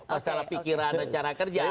masalah pikiran dan cara kerja